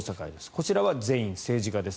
こちらは全員政治家です。